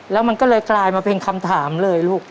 แล้วมันก็เลยกลายมาเป็นคำถามเลยลูก